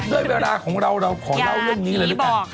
ด้วยเวลาของเราเราขอเล่าเรื่องนี้เลยดีกว่า